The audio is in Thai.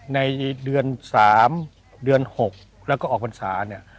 ในเดือน๓เดือน๖แล้วก็ออกพรรษาเนี่ย